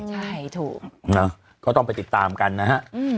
ใช่ถูกก็ต้องไปติดตามกันนะฮะ